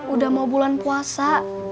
udah mau bulan puasa